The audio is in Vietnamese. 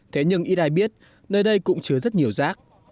thế nhưng ít ai biết nơi đây cũng chứa rất nhiều rác